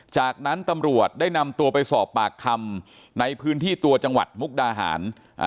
จากนั้นตำรวจได้นำตัวไปสอบปากคำในพื้นที่ตัวจังหวัดมุกดาหาร